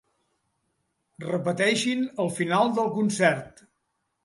Repeteixin al final del concert.